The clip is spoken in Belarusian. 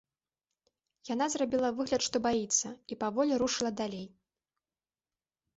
Яна зрабіла выгляд, што баіцца, і паволі рушыла далей.